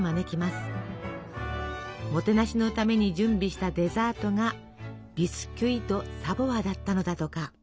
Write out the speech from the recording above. もてなしのために準備したデザートがビスキュイ・ド・サヴォワだったのだとか。